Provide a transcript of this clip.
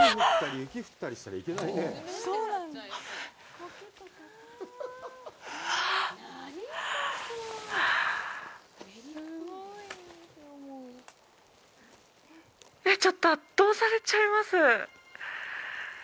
いや、ちょっと圧倒されちゃいます。